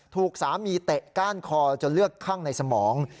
ถูกสามีเตะก้านคอจนเลือดคั่งในสมอง